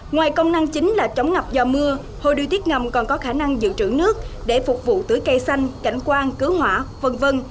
ngoài công năng chính là chống ngập do mưa hồ điều tiết ngầm còn có khả năng giữ trưởng nước để phục vụ tưới cây xanh cảnh quan cứu hỏa v v